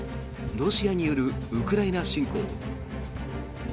ロシアによるウクライナ侵攻。